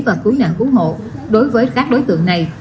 và khứ nạn khứ hộ đối với các đối tượng này